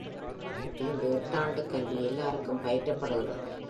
இங்கு எட்டாண்டுக்கல்வி எல்லாருக்கும் பயிற்றப்படுகின்றது.